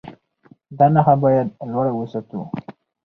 دا نښه باید لوړه وساتو.